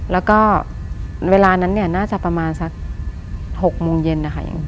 แล้วก็เวลานั้นเนี่ยน่าจะประมาณสัก๖โมงเย็นนะคะ